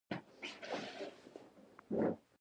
ټوپکونو ته باروت، چرې او پلتې ور ولوېدې.